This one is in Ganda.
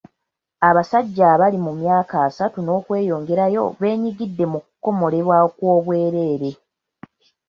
Abasajja abali mu myaka asatu n'okweyongerayo beenyigidde mu kukomolebwa okw'obwereere.